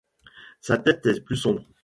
Sa tête est plus sombre.